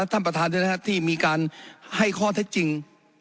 ท่านประธานด้วยนะครับที่มีการให้ข้อเท็จจริง